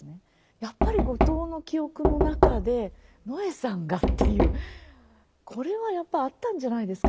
やっぱり後藤の記憶の中で野枝さんがっていうこれはやっぱあったんじゃないですか